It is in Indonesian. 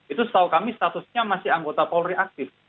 itu setahu kami statusnya masih anggota polri aktif